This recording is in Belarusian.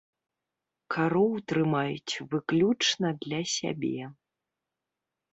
Кароў трымаюць выключна для сябе.